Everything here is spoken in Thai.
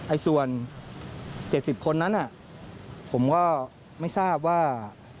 ส่วน๗๐คนนั้นผมก็ไม่ทราบว่า